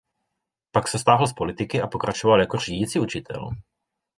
Pak se stáhl z politiky a pokračoval jako řídící učitel.